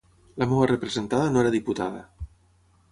La meva representada no era diputada.